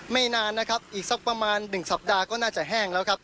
ไม่นานนะครับอีกสักประมาณ๑สัปดาห์ก็น่าจะแห้งแล้วครับ